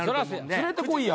連れてこいや。